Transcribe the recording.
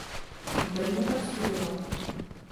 V Brně pak studoval.